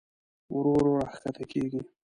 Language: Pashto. ورو ورو راښکته کېږي.